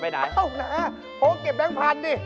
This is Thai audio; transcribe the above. โหเก็บแบงก์พันธุ์ดิ